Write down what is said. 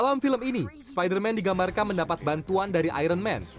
dalam film ini spider man digambarkan mendapatkan bantuan dari iron man